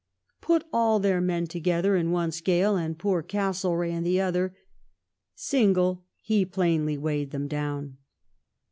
" Put all their men together in one scale and poor Castle reagh in the other — single he plainly weighed them down."